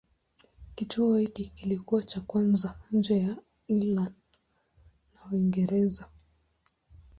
Kituo hiki kilikuwa cha kwanza nje ya Ireland na Uingereza.